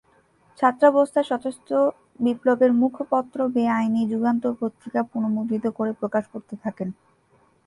ছাত্রাবস্থায় সশস্ত্র বিপ্লবের মুখপত্র বেআইনি যুগান্তর পত্রিকা পূন:মুদ্রিত করে প্রকাশ করতে থাকেন।